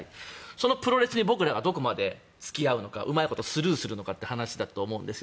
そのプロレスに僕らがどこまで付き合うのかうまいことスルーするのかという話だと思うんです。